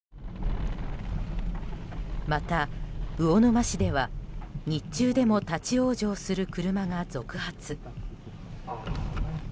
また、魚沼市では日中でも立ち往生する車が続発。